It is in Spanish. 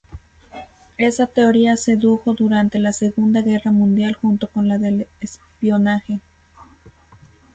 Esa teoría sedujo durante la segunda guerra mundial junto con la del espionaje.